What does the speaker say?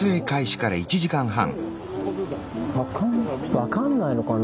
分かんないのかな。